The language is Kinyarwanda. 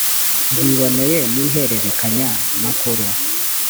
biboneye n ihererekanya makuru